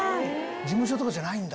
事務所とかじゃないんだ。